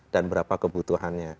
dan berapa kebutuhannya